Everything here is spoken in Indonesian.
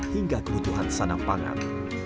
hingga kebutuhan sanam pangan